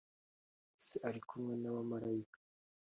Se ari kumwe n abamarayika